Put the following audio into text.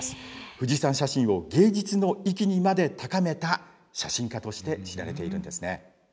富士山写真を芸術の域にまで高めた写真家として知られているんですね。